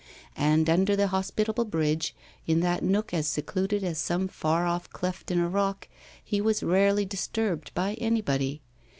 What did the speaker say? And under the hospitable bridge, in that nook as secluded as some far off cleft in a rock, he was rarely disturbed by anybody.